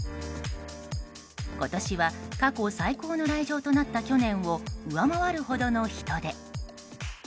今年は過去最高の来場となった去年を上回るほどの人出。